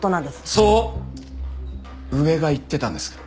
そう上が言ってたんですか？